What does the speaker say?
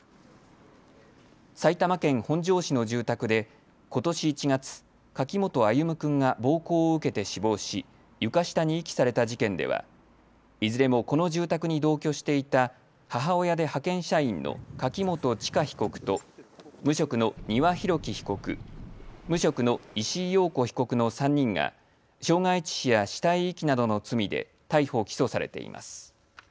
埼玉県本庄市の住宅でことし１月、柿本歩夢君が暴行を受けて死亡し床下に遺棄された事件ではいずれもこの住宅に同居していた母親で派遣社員の柿本知香被告と無職の丹羽洋樹被告、無職の石井陽子被告の３人が傷害致死や死体遺棄などの罪で逮捕・起訴されています。